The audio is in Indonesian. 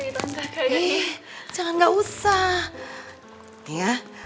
eh jangan gak usah